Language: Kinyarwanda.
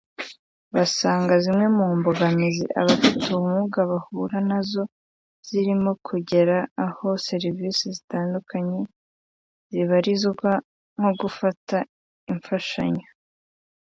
basnga zimwe mu mbogamizi abafit ubumuga bahura na zo zirimo kugera aho serivisi zitandukanye zibarizwa nko gufata imfashanyo